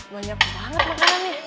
banyak banget makanan nih